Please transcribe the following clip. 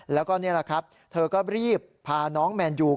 แล้วก็นี่แหละครับเธอก็รีบพาน้องแมนยู